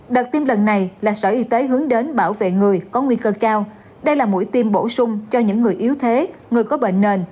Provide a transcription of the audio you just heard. đợt tiêm lần này là sở y tế hướng đến bảo vệ người có nguy cơ cao đây là mũi tiêm bổ sung cho những người yếu thế người có bệnh nền